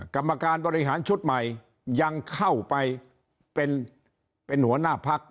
กรรมการบริหารชุดใหม่ยังเข้าไปเป็นหัวหน้าพัก